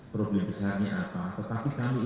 problem besarnya apa tetapi kami